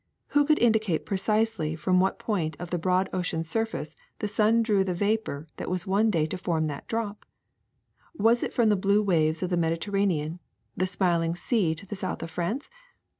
Who could indicate precisely from what point of the broad ocean's surface the sun drew the vapor that was one day to form that drop ? Was it from the blue waves of the Mediterranean, the smiling sea to the south of France?